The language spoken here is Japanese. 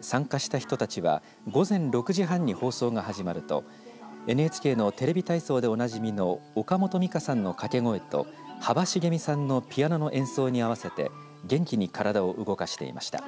参加した人たちは午前６時半に放送が始まるとＮＨＫのテレビ体操でおなじみの岡本美佳さんの掛け声と幅しげみさんのピアノの演奏に合わせて元気に体を動かしていました。